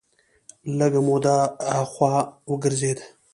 لږه موده دې خوا ها خوا وګرځېد.